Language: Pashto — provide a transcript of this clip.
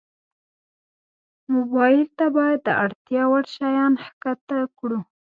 موبایل ته باید د اړتیا وړ شیان ښکته کړو.